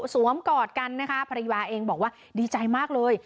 สวมกอดกันนะคะภรรยาเองบอกว่าดีใจมากเลย